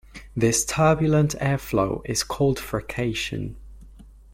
This turbulent airflow is called frication.